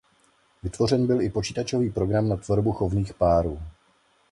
Vytvořen byl i počítačový program na tvorbu chovných párů.